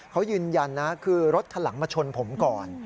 เขายืนยันนะคือรถคันหลังมาชนผมก่อน